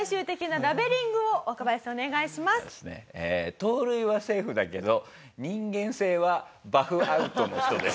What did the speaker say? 盗塁はセーフだけど人間性はＢＡＲＦＯＵＴ！の人です。